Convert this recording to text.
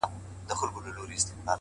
که مرگ غواړې کندوز ته ولاړ سه.